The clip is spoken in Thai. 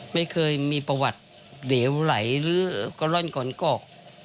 ไม่เคยมีประวัติเหลวไหลหรือก่อร่อนก่อนกอก